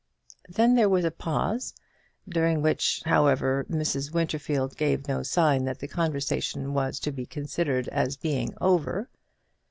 Then there was a pause, during which, however, Mrs. Winterfield gave no sign that the conversation was to be considered as being over.